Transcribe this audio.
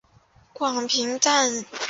广平酂人。